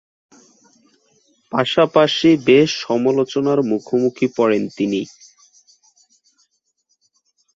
পাশাপাশি বেশ সমালোচনার মুখোমুখি পড়েন তিনি।